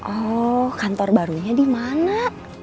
oh kantor barunya di mana